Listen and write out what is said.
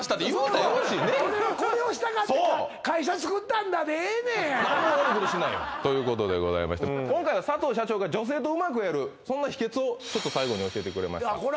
何も悪いことしてないよということでございまして今回は佐藤社長が女性とうまくやるそんな秘訣を最後に教えてくれました